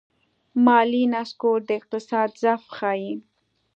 مالي نسکور د اقتصاد ضعف ښيي.